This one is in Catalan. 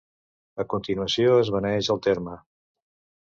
A continuació es beneeix el terme.